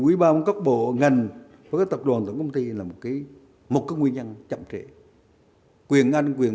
ủy ban các bộ ngành với các tập đoàn tổng công ty là một cái nguyên nhân chậm trễ quyền anh quyền